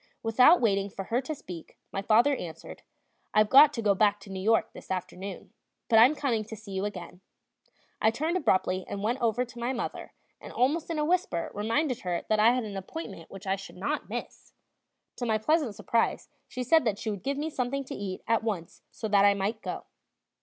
Without waiting for her to speak, my father answered: "I've got to go back to New York this afternoon, but I'm coming to see you again." I turned abruptly and went over to my mother, and almost in a whisper reminded her that I had an appointment which I should not miss; to my pleasant surprise she said that she would give me something to eat at once so that I might go.